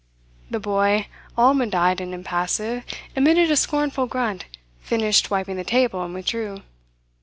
The boy, almond eyed and impassive, emitted a scornful grunt, finished wiping the table, and withdrew.